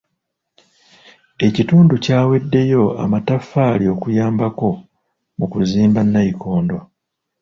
Ekitundu kyawaddeyo amataffaali okuyambako mu kuzimba nnayikondo.